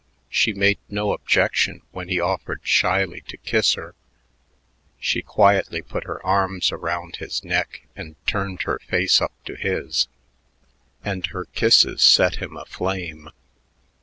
She made no objection when he offered shyly to kiss her; she quietly put her arms around his neck and turned her face up to his and her kisses set him aflame.